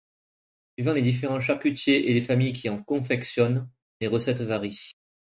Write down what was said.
Suivant les différents charcutiers et les familles qui en confectionnent, les recettes varient.